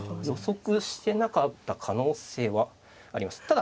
予測してなかった可能性はあります。